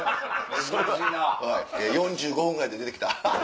４５分ぐらいで出て来た。